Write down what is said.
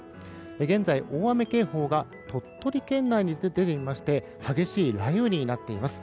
現在、大雨警報が鳥取県内に出ていまして激しい雷雨になっています。